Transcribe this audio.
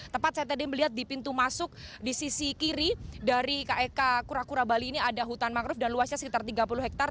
tepat saya tadi melihat di pintu masuk di sisi kiri dari kek kura kura bali ini ada hutan mangrove dan luasnya sekitar tiga puluh hektare